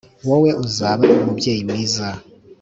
wowe uzaba umubyeyi mwiza